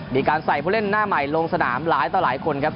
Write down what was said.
มีการใส่ผู้เล่นหน้าใหม่ลงสนามหลายต่อหลายคนครับ